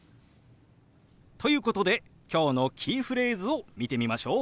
ということで今日のキーフレーズを見てみましょう。